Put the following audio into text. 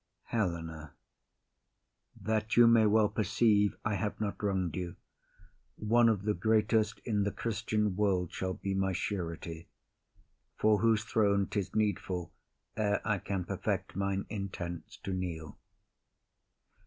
HELENA. That you may well perceive I have not wrong'd you One of the greatest in the Christian world Shall be my surety; fore whose throne 'tis needful, Ere I can perfect mine intents, to kneel.